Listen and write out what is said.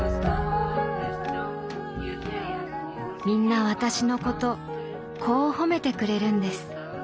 みんな私のことこう褒めてくれるんです。